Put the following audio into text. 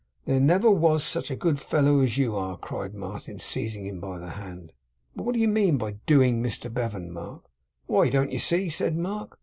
'There never was such a good fellow as you are!' cried Martin seizing him by the hand. 'But what do you mean by "doing" Mr Bevan, Mark?' 'Why, don't you see?' said Mark.